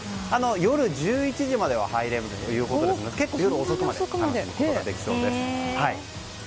夜１１時までは入れるということなので結構夜遅くまで見ることができそうです。